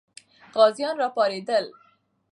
غازیان راپارېدل.